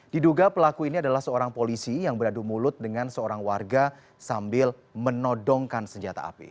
diduga pelaku ini adalah seorang polisi yang beradu mulut dengan seorang warga sambil menodongkan senjata api